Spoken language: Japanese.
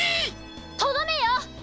とどめよ！